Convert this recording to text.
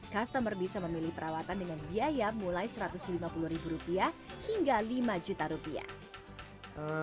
customer bisa memilih perawatan dengan biaya mulai satu ratus lima puluh ribu rupiah hingga lima juta rupiah